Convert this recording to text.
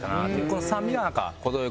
この酸味が程良く